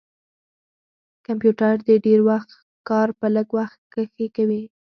کمپیوټر د ډير وخت کار په لږ وخت کښې کوي